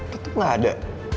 tetep gak ada